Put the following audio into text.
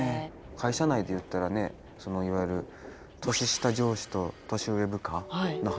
会社内で言ったらねいわゆる年下上司と年上部下の話。